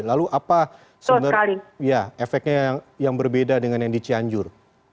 lalu apa sebenarnya efeknya yang berbeda dengan yang di cianjur